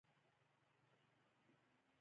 دغه عمل د مضبوط استقرار سمبول او علامت دی.